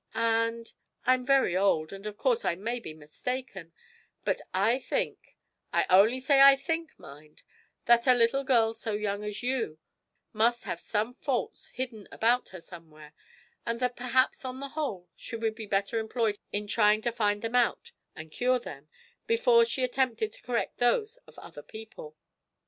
And I'm very old, and of course I may be mistaken but I think (I only say I think, mind) that a little girl so young as you must have some faults hidden about her somewhere, and that perhaps on the whole she would be better employed in trying to find them out and cure them before she attempted to correct those of other people.